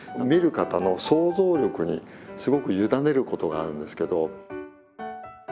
見る方の想像力にすごく委ねることがあるんですけど。